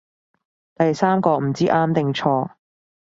第三個唔知啱定錯